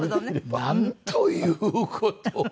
なんという事を！